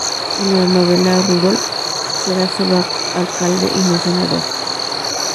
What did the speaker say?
En la novela Rudolph será solo alcalde y no senador.